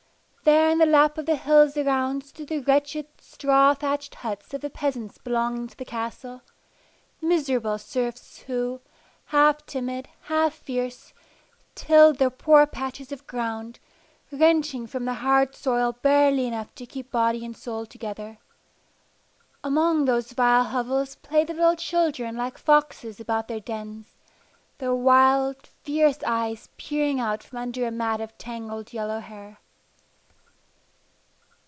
There in the lap of the hills around stood the wretched straw thatched huts of the peasants belonging to the castle miserable serfs who, half timid, half fierce, tilled their poor patches of ground, wrenching from the hard soil barely enough to keep body and soul together. Among those vile hovels played the little children like foxes about their dens, their wild, fierce eyes peering out from under a mat of tangled yellow hair.